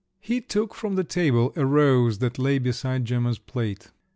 He took from the table a rose that lay beside Gemma's plate.